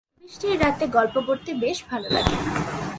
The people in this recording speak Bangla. ঝড়বৃষ্টির রাতে গল্প করতে বেশ ভালো লাগে।